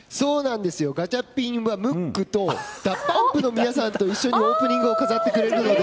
ガチャピンはムックとＤＡＰＵＭＰの皆さんと一緒にオープニングを飾ってくれるので。